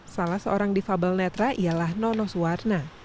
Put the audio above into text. salah seorang difabel netra ialah nonos warna